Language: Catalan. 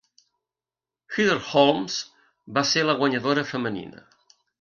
Heather Holmes va ser la guanyadora femenina.